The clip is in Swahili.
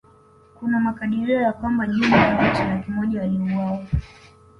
Kuna makadirio ya kwamba jumla ya watu laki moja waliuawa